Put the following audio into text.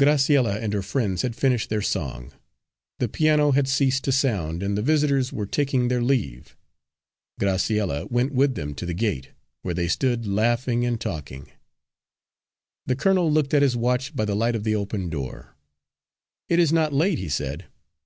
Graciella and her friends had finished their song, the piano had ceased to sound, and the visitors were taking their leave. Graciella went with them to the gate, where they stood laughing and talking. The colonel looked at his watch by the light of the open door. "It is not late," he said.